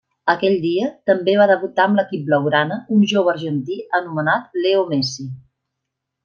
Aquell dia també va debutar amb l'equip blaugrana un jove argentí anomenat Leo Messi.